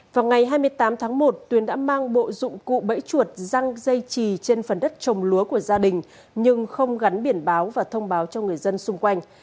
vào ngày hai mươi tám tháng một tuyên đã mang bộ dụng cụ bẫy chuột răng dây trì trên phần đất trồng lúa của gia đình nhưng không gắn biển báo và thông báo cho người dân xung quanh